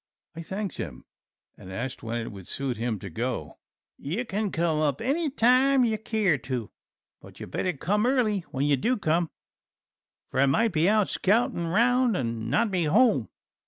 I thanked him and asked when it would suit him to go. "You kin come any time you keer to, but ye'd better come early when you do come, fer I might be out scoutin' round and not be home."